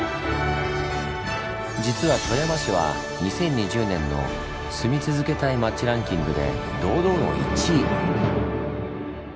実は富山市は２０２０年の住み続けたい町ランキングで堂々の１位！